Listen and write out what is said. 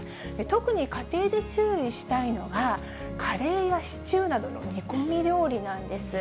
特に家庭で注意したいのが、カレーやシチューなどの煮込み料理なんです。